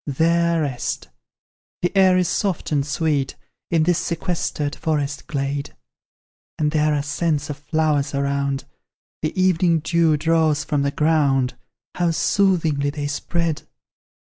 There rest. The air is soft and sweet In this sequestered forest glade, And there are scents of flowers around, The evening dew draws from the ground; How soothingly they spread!